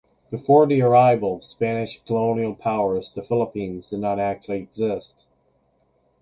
Before the arrival of Spanish colonial powers the Philippines did not actually exist.